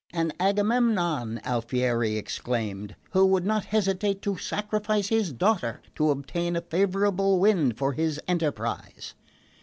"An Agamemnon," Alfieri exclaimed, "who would not hesitate to sacrifice his daughter to obtain a favourable wind for his enterprise!"